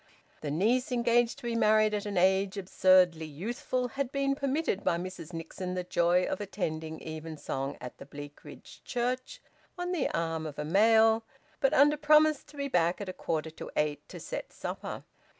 The niece, engaged to be married at an age absurdly youthful, had been permitted by Mrs Nixon the joy of attending evensong at the Bleakridge Church on the arm of a male, but under promise to be back at a quarter to eight to set supper.